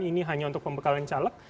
ini hanya untuk pembekalan caleg